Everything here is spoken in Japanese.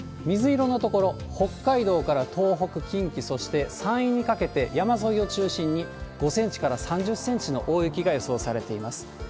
水色の所、北海道から東北、近畿、そして山陰にかけて、山沿いを中心に５センチから３０センチの大雪が予想されています。